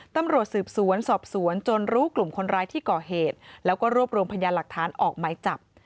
ตำรวจสืบสวนสอบสวนจนรู้กลุ่มคนร้ายที่ก่อเหตุแล้วก็รวบรวมพยานหลักฐานออกหมายจับ